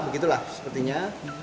begitu lah sepertinya